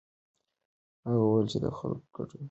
هغه وویل چې د خلکو ګډون بېساری و.